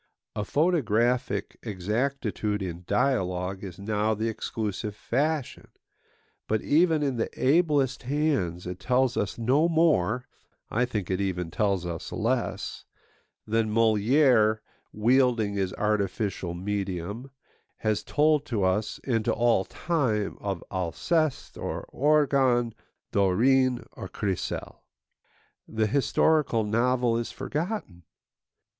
A photographic exactitude in dialogue is now the exclusive fashion; but even in the ablest hands it tells us no more—I think it even tells us less—than Molière, wielding his artificial medium, has told to us and to all time of Alceste or Orgon, Dorine or Chrysale. The historical novel is forgotten.